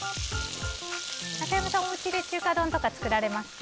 中山さん、おうちで中華丼とか作られますか？